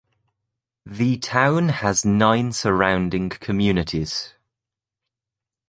The town has nine surrounding communities.